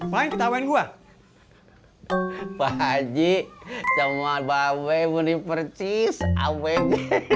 pak haji sama babes muni percis abeg